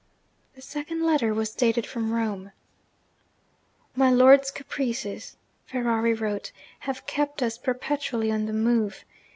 The second letter was dated from Rome. 'My lord's caprices' (Ferrari wrote) 'have kept us perpetually on the move.